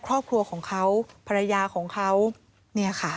ครอบครัวของเขาภรรยาของเขาเนี่ยค่ะ